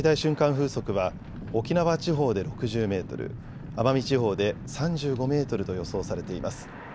風速は沖縄地方で６０メートル、奄美地方で３５メートルと予想されています。